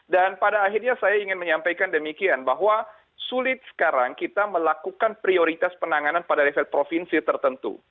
dan pada akhirnya saya ingin menyampaikan demikian bahwa sulit sekarang kita melakukan prioritas penanganan pada level provinsi tertentu